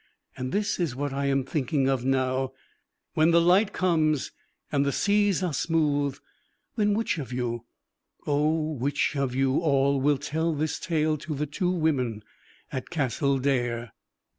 And this is what I am thinking of now: when the light comes and the seas are smooth, then which of you oh, which of you all will tell this tale to the two women at Castle Dare?